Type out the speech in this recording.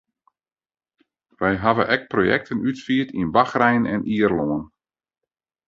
Wy hawwe ek projekten útfierd yn Bachrein en Ierlân.